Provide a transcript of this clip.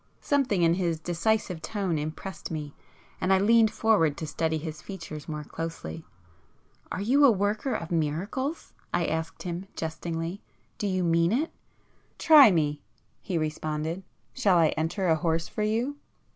Something in his decisive tone impressed me, and I leaned forward to study his features more closely. "Are you a worker of miracles?" I asked him jestingly—"Do you mean it?" "Try me!" he responded—"Shall I enter a horse for you?"